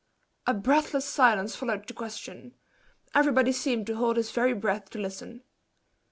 A breathless silence followed the question everybody seemed to hold his very breath to listen.